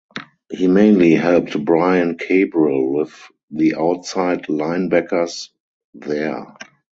He mainly helped Brian Cabral with the outside linebackers there.